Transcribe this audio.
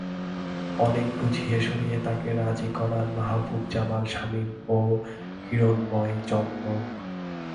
অনেক বুঝিয়ে শুনিয়ে তাঁকে রাজি করান মাহবুব জামাল শামিম ও হিরণ্ময় চন্দ।